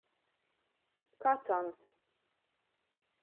Kacans.